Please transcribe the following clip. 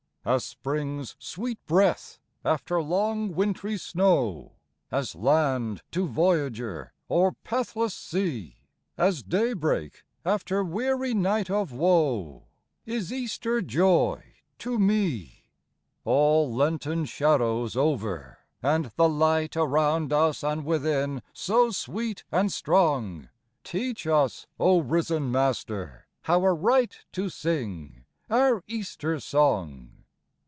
As spring's sweet breath after long wintry snow, As land to voyager o'er pathless sea, As daybreak after weary night of woe, Is Easter joy to me. All Lenten shadows over, and the light Around us and within so sweet and strong ! Teach us, O risen Master, how aright To sing our Easter song.